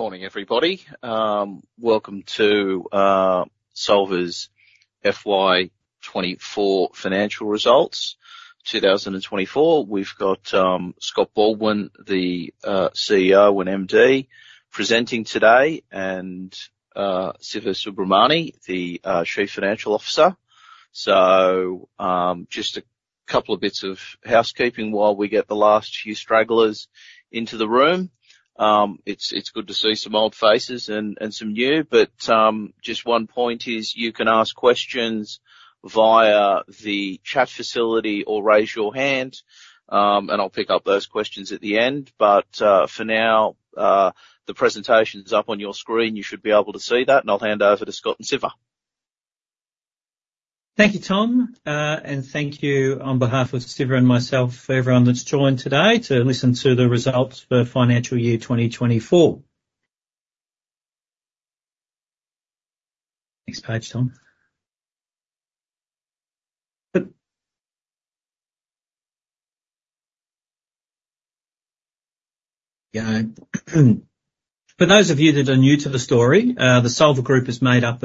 Good morning, everybody. Welcome to Solvar's FY 2024 financial results, 2024. We've got Scott Baldwin, the CEO and MD, presenting today, and Siva Subramani, the Chief Financial Officer. So, just a couple of bits of housekeeping while we get the last few stragglers into the room. It's good to see some old faces and some new, but just one point is you can ask questions via the chat facility or raise your hand, and I'll pick up those questions at the end. But, for now, the presentation's up on your screen. You should be able to see that, and I'll hand over to Scott and Siva. Thank you, Tom, and thank you on behalf of Siva and myself, for everyone that's joined today to listen to the results for financial year 2024. Next page, Tom. Good. For those of you that are new to the story, the Solvar Group is made up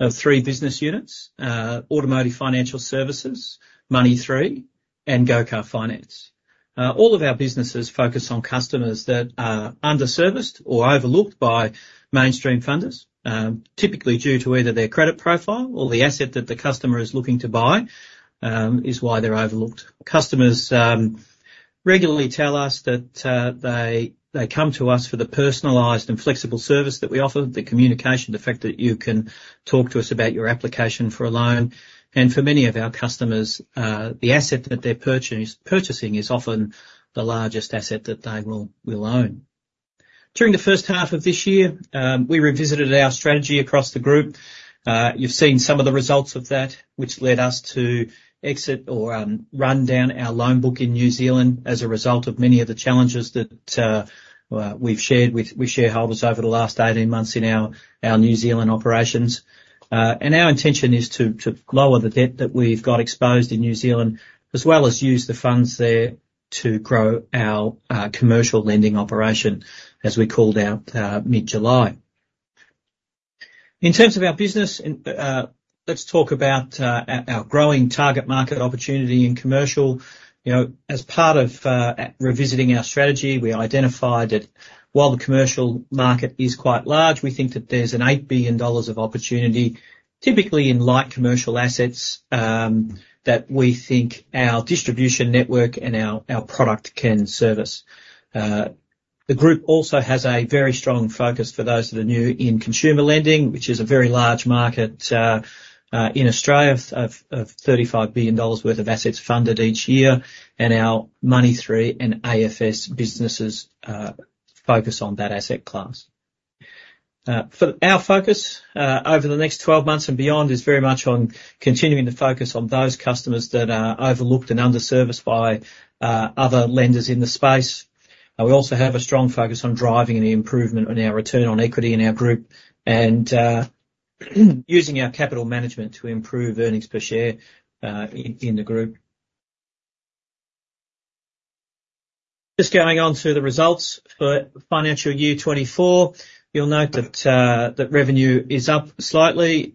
of three business units, Automotive Financial Services, Money3, and Go Car Finance. All of our businesses focus on customers that are underserviced or overlooked by mainstream funders, typically due to either their credit profile or the asset that the customer is looking to buy, is why they're overlooked. Customers regularly tell us that they come to us for the personalized and flexible service that we offer, the communication, the fact that you can talk to us about your application for a loan. And for many of our customers, the asset that they're purchasing is often the largest asset that they will own. During the first half of this year, we revisited our strategy across the group. You've seen some of the results of that, which led us to exit or run down our loan book in New Zealand as a result of many of the challenges that we've shared with shareholders over the last 18 months in our New Zealand operations. And our intention is to lower the debt that we've got exposed in New Zealand, as well as use the funds there to grow our commercial lending operation, as we called out mid-July. In terms of our business, let's talk about our growing target market opportunity in commercial. You know, as part of revisiting our strategy, we identified that while the commercial market is quite large, we think that there's an $8 billion of opportunity, typically in light commercial assets, that we think our distribution network and our product can service. The group also has a very strong focus for those that are new in consumer lending, which is a very large market in Australia of $35 billion worth of assets funded each year, and our Money3 and AFS businesses focus on that asset class. Our focus over the next 12 months and beyond is very much on continuing to focus on those customers that are overlooked and underserviced by other lenders in the space. We also have a strong focus on driving the improvement on our return on equity in our group, and using our capital management to improve earnings per share in the group. Just going on to the results for financial year 2024. You'll note that revenue is up slightly.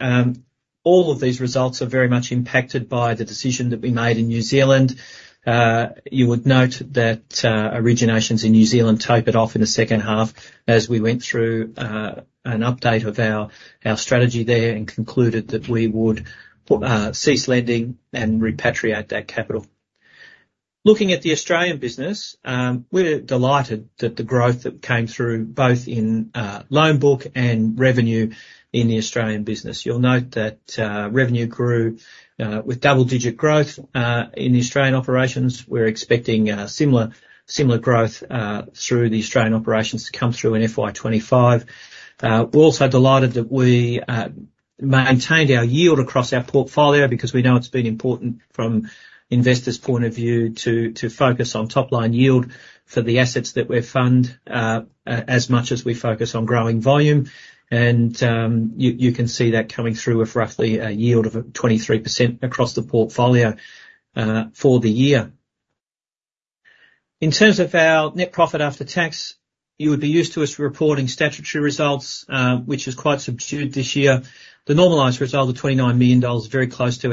All of these results are very much impacted by the decision that we made in New Zealand. You would note that originations in New Zealand tapered off in the second half as we went through an update of our strategy there and concluded that we would cease lending and repatriate that capital. Looking at the Australian business, we're delighted that the growth that came through, both in loan book and revenue in the Australian business. You'll note that revenue grew with double digit growth in the Australian operations. We're expecting similar growth through the Australian operations to come through in FY 2025. We're also delighted that we maintained our yield across our portfolio, because we know it's been important from investors' point of view to focus on top line yield for the assets that we fund as much as we focus on growing volume, and you can see that coming through with roughly a yield of 23% across the portfolio for the year. In terms of our net profit after tax, you would be used to us reporting statutory results, which is quite subdued this year. The normalized result of $29 million is very close to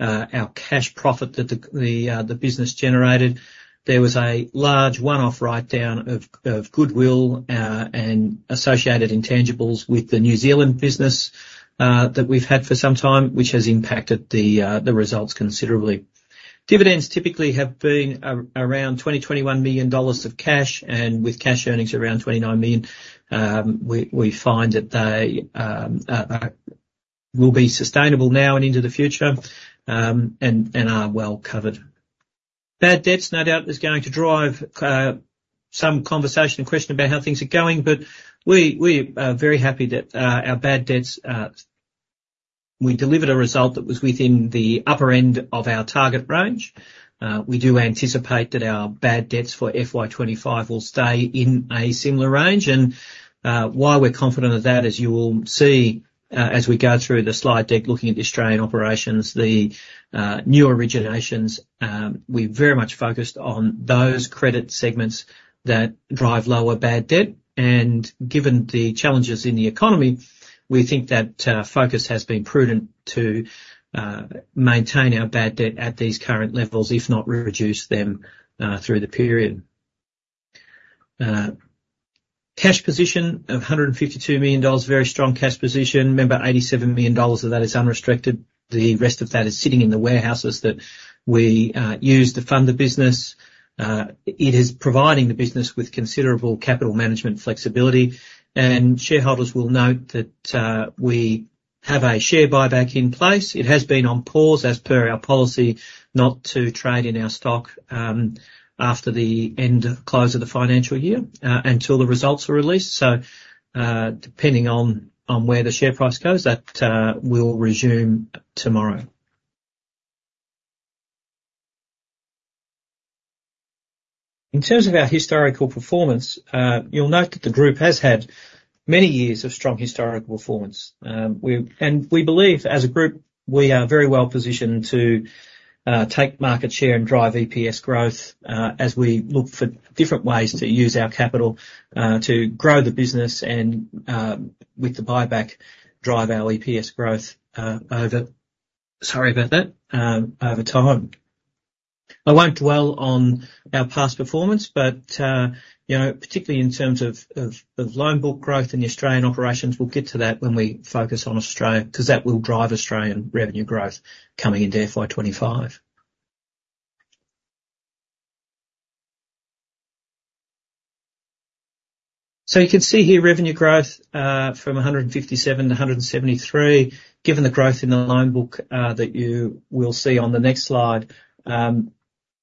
our cash profit that the business generated. There was a large one-off write-down of goodwill and associated intangibles with the New Zealand business that we've had for some time, which has impacted the results considerably. Dividends typically have been around $20-$21 million in cash, and with cash earnings around $29 million, we will be sustainable now and into the future, and are well covered. Bad debts, no doubt, is going to drive some conversation and question about how things are going, but we are very happy that our bad debts we delivered a result that was within the upper end of our target range. We do anticipate that our bad debts for FY 2025 will stay in a similar range, and... Why we're confident of that, as you will see, as we go through the slide deck, looking at the Australian operations, the new originations, we very much focused on those credit segments that drive lower bad debt, and given the challenges in the economy, we think that focus has been prudent to maintain our bad debt at these current levels, if not reduce them, through the period. Cash position of $152 million. Very strong cash position. Remember, $87 million of that is unrestricted. The rest of that is sitting in the warehouses that we use to fund the business. It is providing the business with considerable capital management flexibility, and shareholders will note that we have a share buyback in place. It has been on pause, as per our policy, not to trade in our stock, after the end of close of the financial year, until the results are released. So, depending on where the share price goes, that will resume tomorrow. In terms of our historical performance, you'll note that the group has had many years of strong historical performance. And we believe as a group, we are very well positioned to take market share and drive EPS growth, as we look for different ways to use our capital, to grow the business and, with the buyback, drive our EPS growth, over... Sorry about that, over time. I won't dwell on our past performance, but you know, particularly in terms of loan book growth in the Australian operations, we'll get to that when we focus on Australia, 'cause that will drive Australian revenue growth coming into FY 2025. So you can see here revenue growth from 157 to 173, given the growth in the loan book that you will see on the next slide.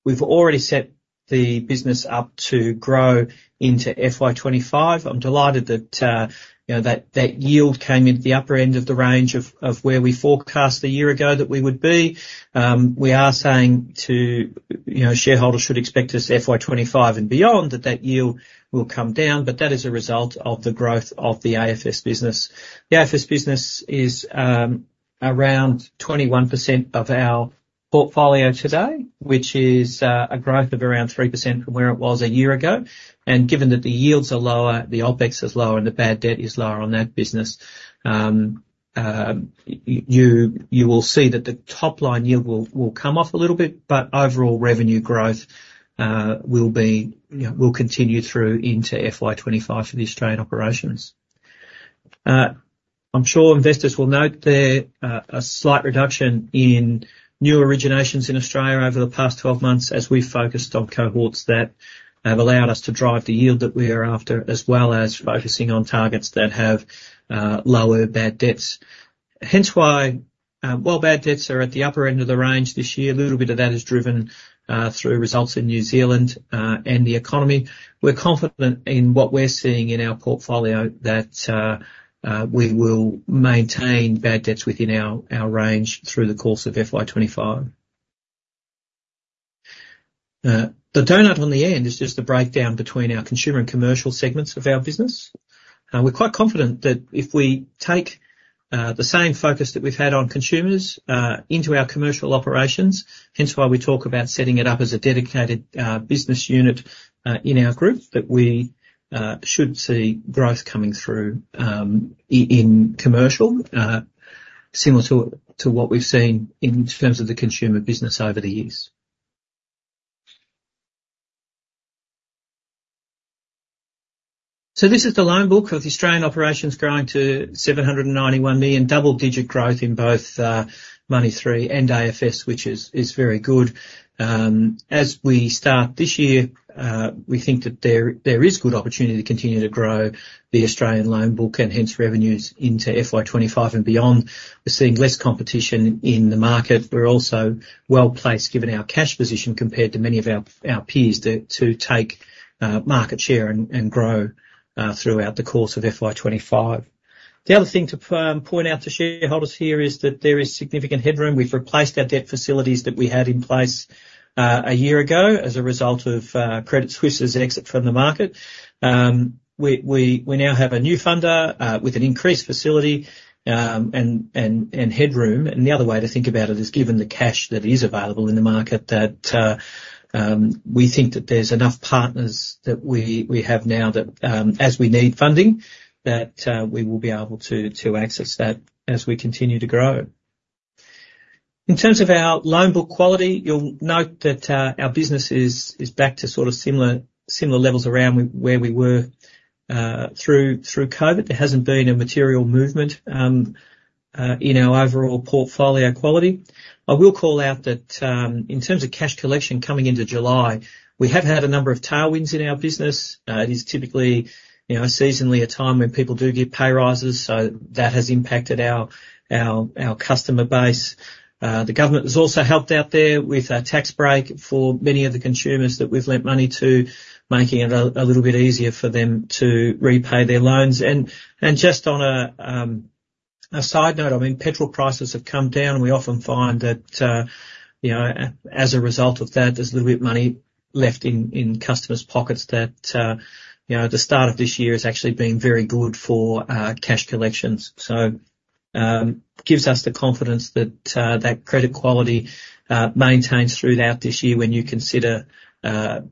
We've already set the business up to grow into FY 2025. I'm delighted that you know that yield came into the upper end of the range of where we forecast a year ago that we would be. We are saying to, you know, shareholders should expect as FY 2025 and beyond, that that yield will come down, but that is a result of the growth of the AFS business. The AFS business is around 21% of our portfolio today, which is a growth of around 3% from where it was a year ago. And given that the yields are lower, the OPEX is lower, and the bad debt is lower on that business, you will see that the top line yield will come off a little bit, but overall revenue growth will be, you know, will continue through into FY 2025 for the Australian operations. I'm sure investors will note there a slight reduction in new originations in Australia over the past 12 months, as we focused on cohorts that have allowed us to drive the yield that we are after, as well as focusing on targets that have lower bad debts. Hence why, while bad debts are at the upper end of the range this year, a little bit of that is driven through results in New Zealand and the economy. We're confident in what we're seeing in our portfolio, that we will maintain bad debts within our range through the course of FY 2025. The donut on the end is just the breakdown between our consumer and commercial segments of our business. We're quite confident that if we take the same focus that we've had on consumers into our commercial operations, hence why we talk about setting it up as a dedicated business unit in our group, that we should see growth coming through in commercial similar to what we've seen in terms of the consumer business over the years, so this is the loan book of the Australian operations growing to 791 million. Double-digit growth in both Money3 and AFS, which is very good. As we start this year, we think that there is good opportunity to continue to grow the Australian loan book, and hence revenues into FY 2025 and beyond. We're seeing less competition in the market. We're also well placed, given our cash position, compared to many of our peers, to take market share and grow throughout the course of FY 2025. The other thing to point out to shareholders here is that there is significant headroom. We've replaced our debt facilities that we had in place a year ago as a result of Credit Suisse's exit from the market. We now have a new funder with an increased facility and headroom. And the other way to think about it is, given the cash that is available in the market, that we think that there's enough partners that we have now that, as we need funding, that we will be able to access that as we continue to grow. In terms of our loan book quality, you'll note that our business is back to sort of similar levels around where we were through Covid. There hasn't been a material movement in our overall portfolio quality. I will call out that in terms of cash collection coming into July, we have had a number of tailwinds in our business. It is typically, you know, seasonally a time when people do get pay rises, so that has impacted our customer base. The government has also helped out there with a tax break for many of the consumers that we've lent money to, making it a little bit easier for them to repay their loans. And just on a side note, I mean, petrol prices have come down, and we often find that, you know, as a result of that, there's a little bit of money left in customers' pockets that, you know, the start of this year has actually been very good for cash collections. It gives us the confidence that credit quality maintains throughout this year when you consider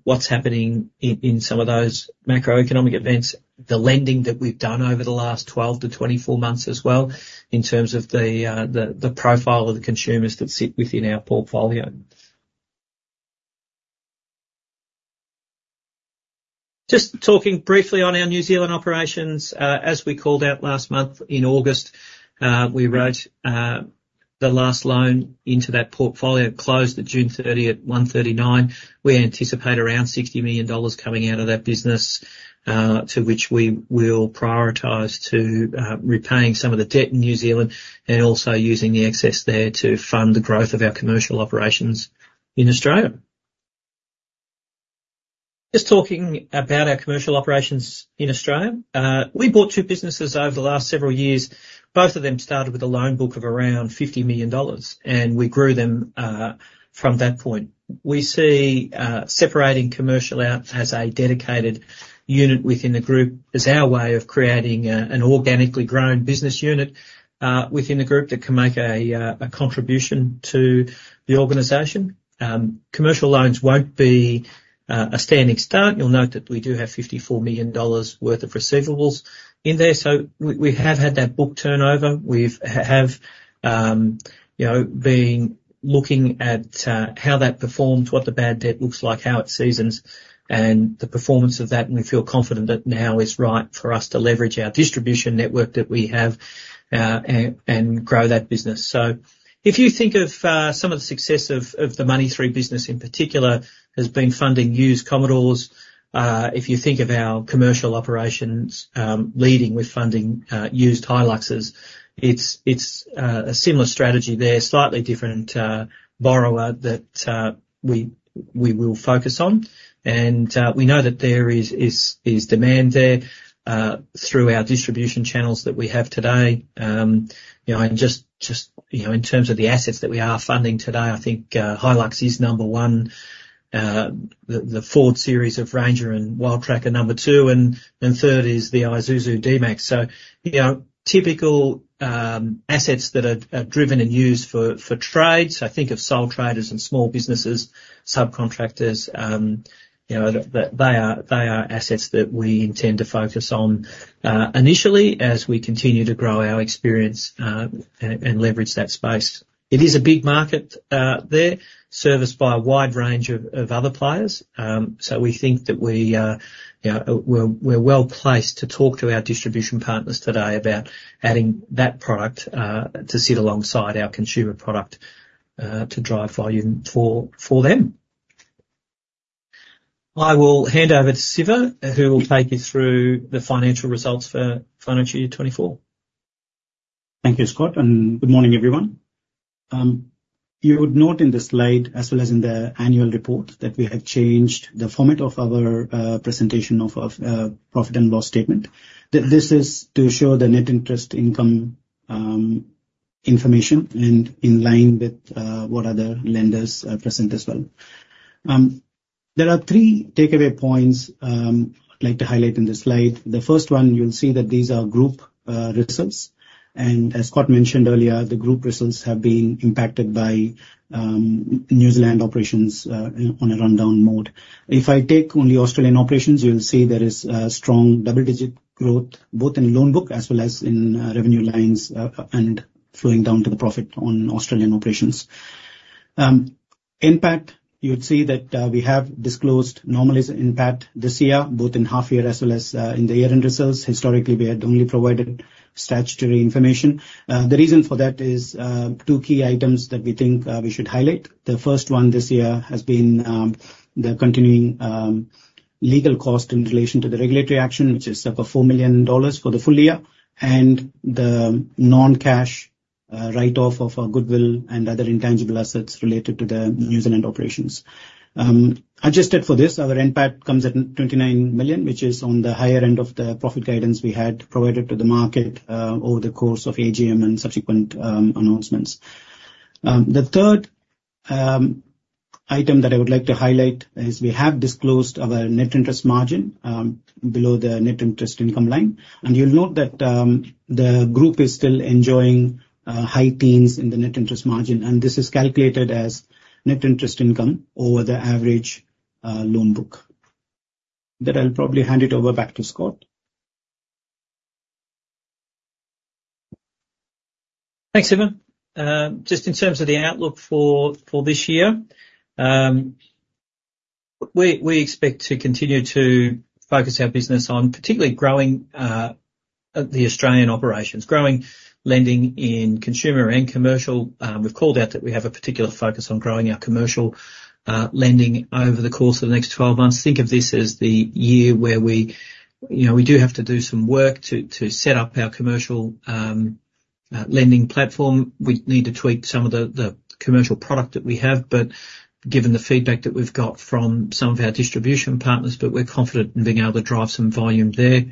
what's happening in some of those macroeconomic events, the lending that we've done over the last 12 -24 months as well, in terms of the profile of the consumers that sit within our portfolio. Just talking briefly on our New Zealand operations. As we called out last month, in August, we wrote the last loan into that portfolio closed at June 30th, 139. We anticipate around $60 million coming out of that business, to which we will prioritize to repaying some of the debt in New Zealand, and also using the excess there to fund the growth of our commercial operations in Australia. Just talking about our commercial operations in Australia. We bought two businesses over the last several years. Both of them started with a loan book of around $50 million, and we grew them from that point. We see separating commercial out as a dedicated unit within the group as our way of creating an organically grown business unit within the group that can make a contribution to the organization. Commercial loans won't be a standing start. You'll note that we do have $54 million worth of receivables in there. So we have had that book turnover. We have, you know, been looking at how that performs, what the bad debt looks like, how it seasons, and the performance of that, and we feel confident that now is right for us to leverage our distribution network that we have, and grow that business. If you think of some of the success of the Money3 business in particular, has been funding used Commodores. If you think of our commercial operations, leading with funding used Hiluxes, it's a similar strategy there, slightly different borrower that we will focus on. We know that there is demand there through our distribution channels that we have today. You know, and just, you know, in terms of the assets that we are funding today, I think Hilux is number one, the Ford series of Ranger and Wildtrak are number two, and third is the Isuzu D-MAX, so you know, typical assets that are driven and used for trade, so think of sole traders and small businesses, subcontractors, you know, they are assets that we intend to focus on initially as we continue to grow our experience and leverage that space. It is a big market there, serviced by a wide range of other players. So we think that we, you know, we're well placed to talk to our distribution partners today about adding that product, to sit alongside our consumer product, to drive volume for them. I will hand over to Siva, who will take you through the financial results for FY 2024. Thank you, Scott, and good morning, everyone. You would note in the slide, as well as in the annual report, that we have changed the format of our presentation of profit and loss statement. This is to show the net interest income information, and in line with what other lenders present as well. There are three takeaway points I'd like to highlight in this slide. The first one, you'll see that these are group results. And as Scott mentioned earlier, the group results have been impacted by New Zealand operations on a rundown mode. If I take only Australian operations, you'll see there is a strong double-digit growth, both in loan book as well as in revenue lines, and flowing down to the profit on Australian operations. Impact, you would see that we have disclosed normalized profit this year, both in half year as well as in the year-end results. Historically, we had only provided statutory information. The reason for that is two key items that we think we should highlight. The first one this year has been the continuing legal cost in relation to the regulatory action, which is about $4 million for the full year, and the non-cash write-off of goodwill and other intangible assets related to the New Zealand operations. Adjusted for this, our profit comes at $29 million, which is on the higher end of the profit guidance we had provided to the market over the course of AGM and subsequent announcements. The third item that I would like to highlight is we have disclosed our net interest margin below the net interest income line, and you'll note that the group is still enjoying high teens in the net interest margin, and this is calculated as net interest income over the average loan book. Then I'll probably hand it over back to Scott. Thanks, Siva. Just in terms of the outlook for this year, we expect to continue to focus our business on particularly growing the Australian operations, growing lending in consumer and commercial. We've called out that we have a particular focus on growing our commercial lending over the course of the next 12 months. Think of this as the year where we, you know, we do have to do some work to set up our commercial lending platform. We need to tweak some of the commercial product that we have, but given the feedback that we've got from some of our distribution partners, we're confident in being able to drive some volume there.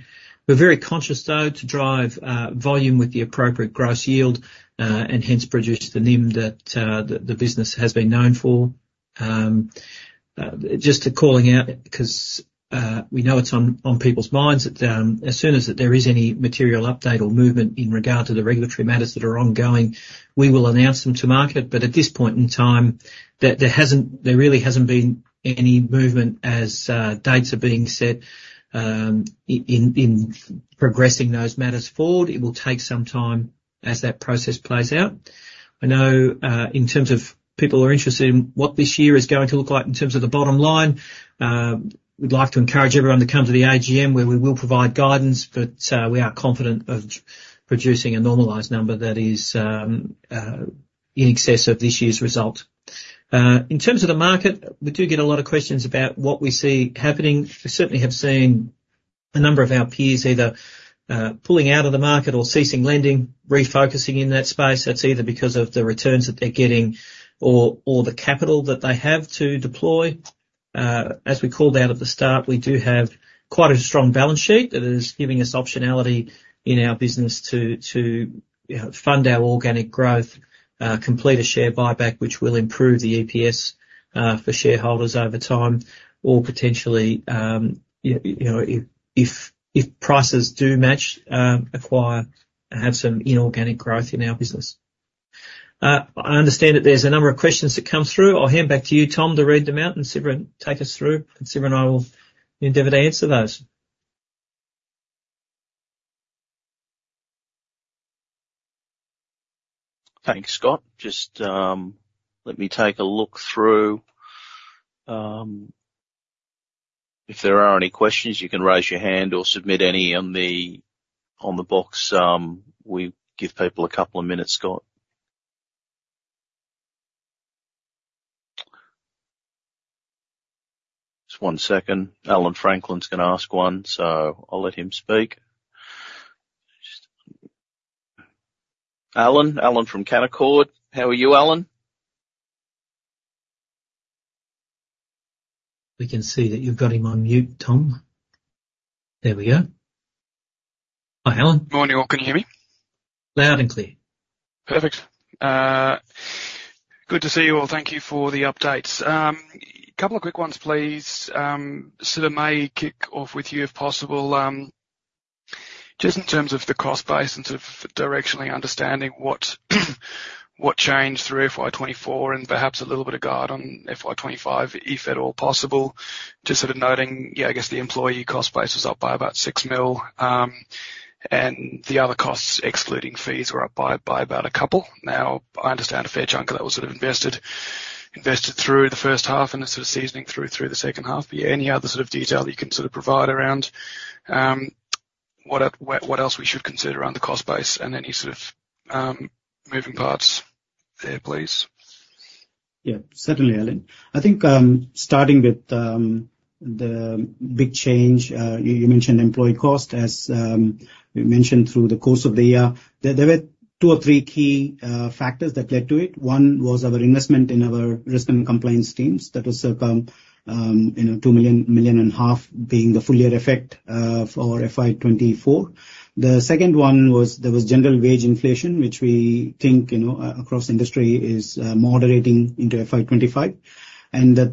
We're very conscious, though, to drive volume with the appropriate gross yield and hence produce the NIM that the business has been known for. Just to calling out, because we know it's on people's minds, that as soon as there is any material update or movement in regard to the regulatory matters that are ongoing, we will announce them to market. But at this point in time, there hasn't, there really hasn't been any movement as dates are being set in progressing those matters forward. It will take some time as that process plays out. I know, in terms of people are interested in what this year is going to look like in terms of the bottom line, we'd like to encourage everyone to come to the AGM, where we will provide guidance, but, we are confident of producing a normalized number that is, in excess of this year's result. In terms of the market, we do get a lot of questions about what we see happening. We certainly have seen a number of our peers either, pulling out of the market or ceasing lending, refocusing in that space. That's either because of the returns that they're getting or, the capital that they have to deploy. As we called out at the start, we do have quite a strong balance sheet that is giving us optionality in our business to, you know, fund our organic growth, complete a share buyback, which will improve the EPS, for shareholders over time, or potentially, you know, if prices do match, acquire and have some inorganic growth in our business. I understand that there's a number of questions that come through. I'll hand back to you, Tom, to read them out, and Siva take us through, and Siva and I will endeavor to answer those. Thanks, Scott. Just let me take a look through. If there are any questions, you can raise your hand or submit any on the box. We'll give people a couple of minutes, Scott. Just one second. Allan Franklin's going to ask one, so I'll let him speak. Allan? Alan from Canaccord. How are you, Allan? We can see that you've got him on mute, Tom. There we go. Hi, Allan. Morning, all. Can you hear me? Loud and clear. Perfect. Good to see you all. Thank you for the updates. A couple of quick ones, please. Siva, may kick off with you, if possible. Just in terms of the cost base and sort of directionally understanding what changed through FY 2024, and perhaps a little bit of guide on FY 2025, if at all possible. Just sort of noting, yeah, I guess the employee cost base was up by about six mil, and the other costs, excluding fees, were up by about a couple. Now, I understand a fair chunk of that was sort of invested through the first half and the sort of seasoning through the second half. But yeah, any other sort of detail that you can sort of provide around what else we should consider around the cost base and any sort of moving parts there, please? Yeah, certainly, Allan. I think, starting with the big change, you mentioned employee cost. As we mentioned through the course of the year, there were two or three key factors that led to it. One was our investment in our risk and compliance teams. That was around, you know, 2 million, $1.5 million being the full year effect for FY 2024. The second one was, there was general wage inflation, which we think, you know, across industry is moderating into FY 2025. And the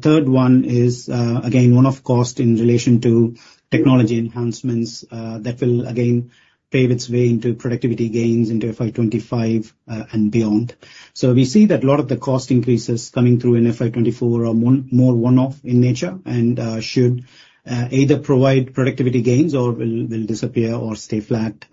third one is, again, one-off cost in relation to technology enhancements that will again pave its way into productivity gains into FY 2025 and beyond. So we see that a lot of the cost increases coming through in FY 2024 are more one-off in nature and should either provide productivity gains or will disappear or stay flat,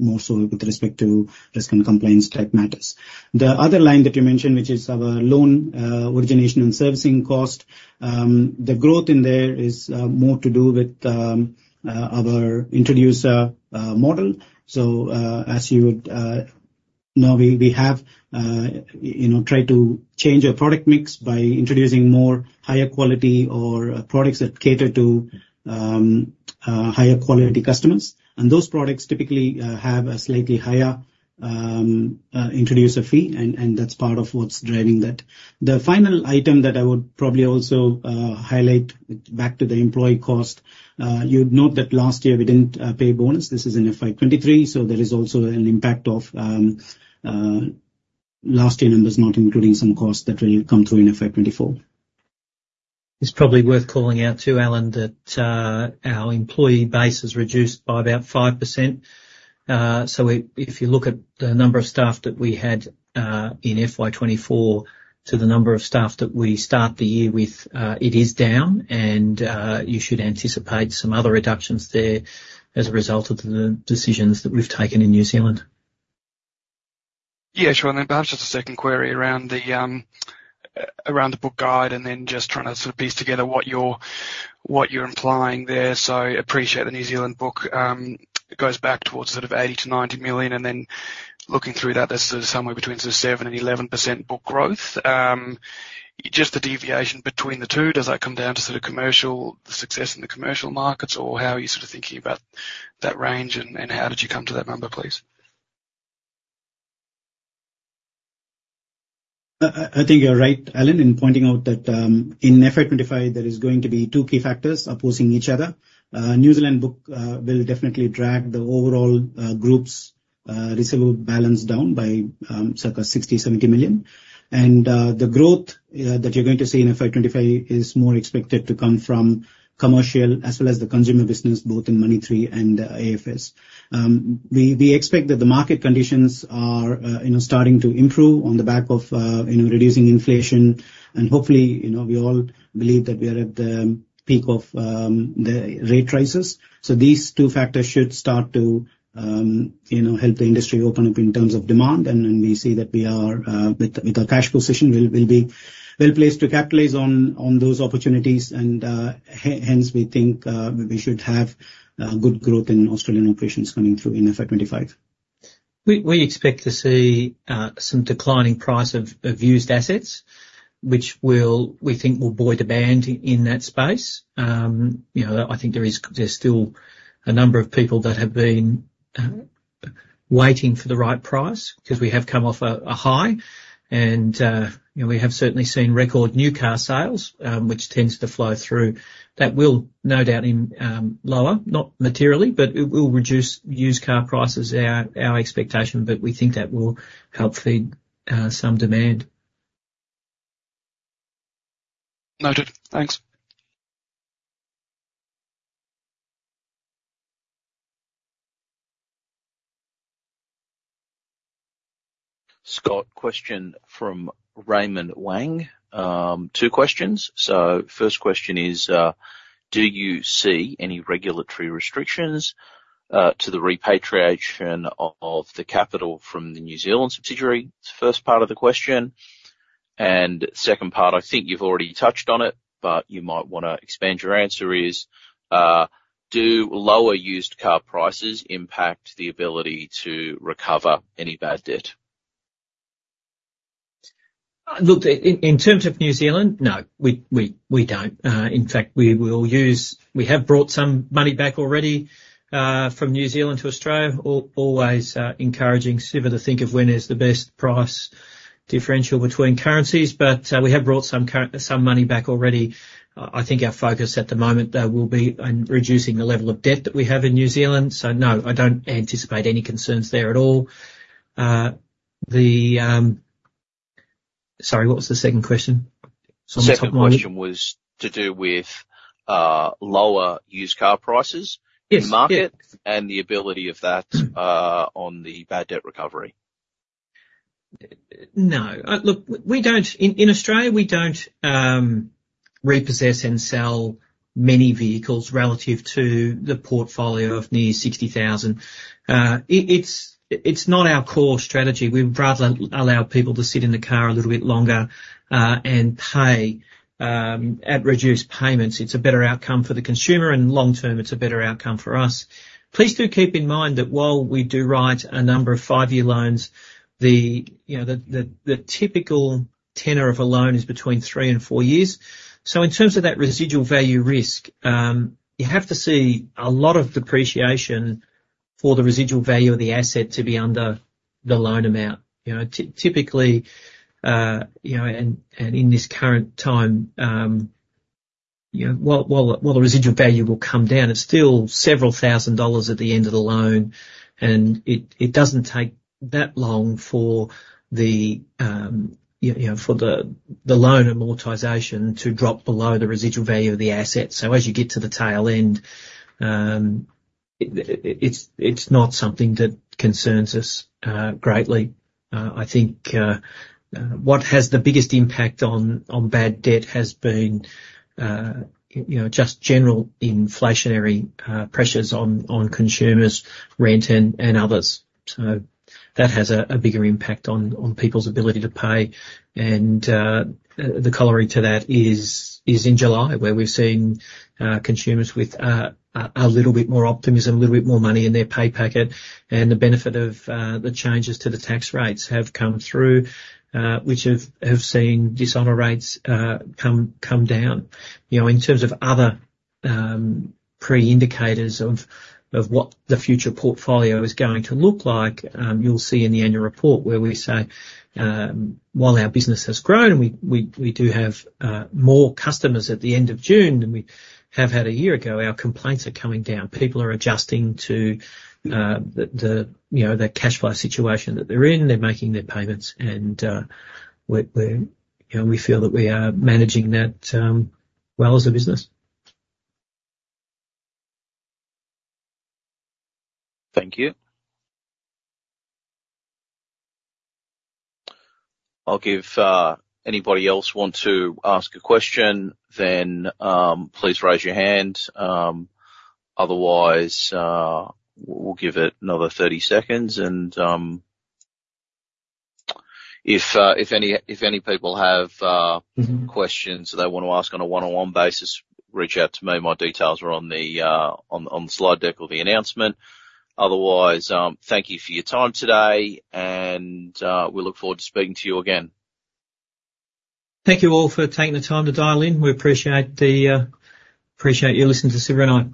more so with respect to risk and compliance type matters. The other line that you mentioned, which is our loan origination and servicing cost, the growth in there is more to do with our introducer model. So, as you would know, we have you know tried to change our product mix by introducing more higher quality or products that cater to higher quality customers, and those products typically have a slightly higher introducer fee, and that's part of what's driving that. The final item that I would probably also highlight back to the employee cost. You'd note that last year we didn't pay bonus. This is in FY 2023, so there is also an impact of last year numbers, not including some costs that will come through in FY 2024. It's probably worth calling out too, Allan, that our employee base has reduced by about 5%. So, if you look at the number of staff that we had in FY 2024 to the number of staff that we start the year with, it is down, and you should anticipate some other reductions there as a result of the decisions that we've taken in New Zealand. Yeah, sure, and then perhaps just a second query around the book size, and then just trying to sort of piece together what you're implying there. So appreciate the New Zealand book. It goes back towards sort of 80-90 million, and then looking through that, that's sort of somewhere between sort of 7% and 11% book growth. Just the deviation between the two, does that come down to sort of commercial, the success in the commercial markets, or how are you sort of thinking about that range, and how did you come to that number, please? I think you're right, Allan, in pointing out that in FY 2025, there is going to be two key factors opposing each other. New Zealand book will definitely drag the overall group's receivable balance down by circa 60-70 million. And the growth that you're going to see in FY 2025 is more expected to come from commercial as well as the consumer business, both in Money3 and AFS. We expect that the market conditions are, you know, starting to improve on the back of, you know, reducing inflation. And hopefully, you know, we all believe that we are at the peak of the rate rises. So these two factors should start to, you know, help the industry open up in terms of demand, and then we see that we are with our cash position. We'll be well placed to capitalize on those opportunities. Hence, we think we should have good growth in Australian operations coming through in FY 2025. We expect to see some declining price of used assets, which will, we think will buoy the demand in that space. You know, I think there is, there's still a number of people that have been waiting for the right price, 'cause we have come off a high. You know, we have certainly seen record new car sales, which tends to flow through. That will no doubt lower, not materially, but it will reduce used car prices is our expectation, but we think that will help feed some demand. Noted. Thanks. Scott, question from Raymond Wang. Two questions. So first question is, "Do you see any regulatory restrictions to the repatriation of the capital from the New Zealand subsidiary?" That's the first part of the question. And second part, I think you've already touched on it, but you might wanna expand your answer, is, "Do lower used car prices impact the ability to recover any bad debt? Look, in terms of New Zealand, no, we don't. In fact, we have brought some money back already from New Zealand to Australia. Always encouraging Siva to think of when is the best price differential between currencies, but we have brought some money back already. I think our focus at the moment, though, will be on reducing the level of debt that we have in New Zealand. So, no, I don't anticipate any concerns there at all. Sorry, what was the second question? It's on the top of my head. Second question was to do with lower used car prices- Yes, yeah... in market, and the ability of that- Mm-hmm... on the bad debt recovery. No. Look, we don't. In Australia, we don't repossess and sell many vehicles relative to the portfolio of near 60,000. It's not our core strategy. We'd rather allow people to sit in the car a little bit longer and pay at reduced payments. It's a better outcome for the consumer, and long term, it's a better outcome for us. Please do keep in mind that while we do write a number of five-year loans, you know, the typical tenor of a loan is between three and four years. So in terms of that residual value risk, you have to see a lot of depreciation for the residual value of the asset to be under the loan amount. You know, typically, you know, and in this current time, you know, while the residual value will come down, it's still several thousand dollars at the end of the loan, and it doesn't take that long for the, you know, for the loan amortization to drop below the residual value of the asset. So as you get to the tail end, it's not something that concerns us greatly. I think what has the biggest impact on bad debt has been, you know, just general inflationary pressures on consumers, rent, and others. So that has a bigger impact on people's ability to pay. The coloring to that is in July, where we've seen consumers with a little bit more optimism, a little bit more money in their pay packet, and the benefit of the changes to the tax rates have come through, which have seen dishonor rates come down. You know, in terms of other pre-indicators of what the future portfolio is going to look like, you'll see in the annual report, where we say: While our business has grown, and we do have more customers at the end of June than we have had a year ago, our complaints are coming down. People are adjusting to, you know, the cash flow situation that they're in. They're making their payments, and you know, we feel that we are managing that well as a business. Thank you. I'll give... Anybody else want to ask a question, then, please raise your hand. Otherwise, we'll give it another thirty seconds and, if any people have, Mm-hmm... questions they want to ask on a one-on-one basis, reach out to me. My details are on the slide deck of the announcement. Otherwise, thank you for your time today, and we look forward to speaking to you again. Thank you all for taking the time to dial in. We appreciate you listening to Siva and I.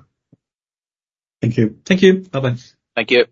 Thank you. Thank you. Bye-bye. Thank you.